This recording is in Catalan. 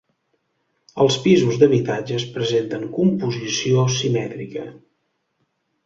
Els pisos d'habitatges presenten composició simètrica.